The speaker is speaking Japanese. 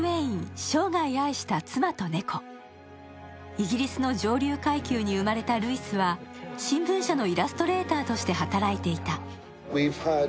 イギリスの上流階級に生まれたルイスは新聞社のイラストレーターとして働いていた。